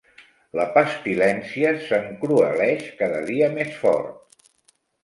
La pestilència s'encrueleix cada dia més fort.